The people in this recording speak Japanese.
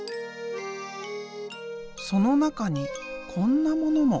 その中にこんなものも。